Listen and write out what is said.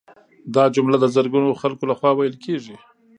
دا جمله د زرګونو خلکو لخوا ویل کیږي